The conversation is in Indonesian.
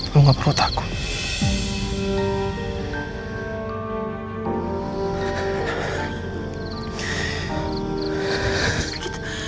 lo gak perlu takut